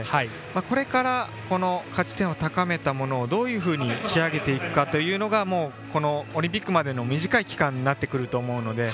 これから価値点を高めたものをどういうふうに仕上げていくかというのがこのオリンピックまでの短い期間になってくると思うので。